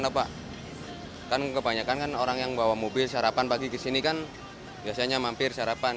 ya pak kan kebanyakan orang yang bawa mobil sarapan pagi ke sini kan biasanya mampir sarapan